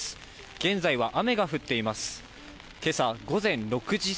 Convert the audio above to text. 現在は雨が降っています。